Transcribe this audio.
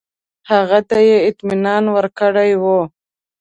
هغه ته یې اطمینان ورکړی وو.